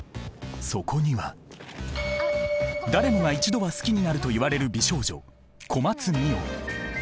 そこには誰もが一度は好きになるといわれる美少女小松澪。